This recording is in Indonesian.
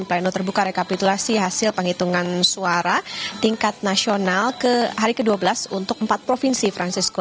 pleno terbuka rekapitulasi hasil penghitungan suara tingkat nasional ke hari ke dua belas untuk empat provinsi francisco